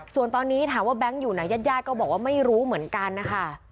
ส่วนตอนนี้ถามว่าแบงค์อยู่ไหนญาติญาติก็บอกว่าไม่รู้เหมือนกันนะคะ